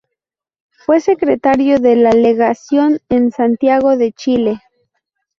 Fue secretario de la Legación en Santiago de Chile.